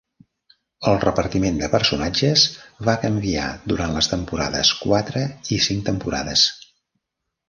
El repartiment de personatges va canviar durant les temporades quatre i cinc temporades.